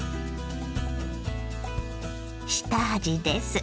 下味です。